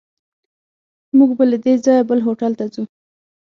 موږ به له دې ځایه بل هوټل ته ځو.